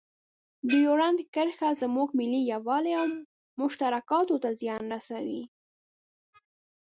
ډیورنډ کرښه زموږ ملي یووالي او مشترکاتو ته زیان رسوي.